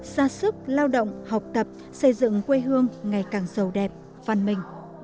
ra sức lao động học tập xây dựng quê hương ngày càng sầu đẹp văn minh